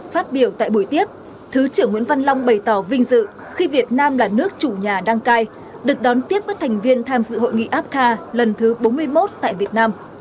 phát biểu tại buổi tiếp thứ trưởng nguyễn văn long bày tỏ vinh dự khi việt nam là nước chủ nhà đăng cai được đón tiếp với thành viên tham dự hội nghị apca lần thứ bốn mươi một tại việt nam